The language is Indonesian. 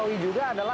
apakah warga jakarta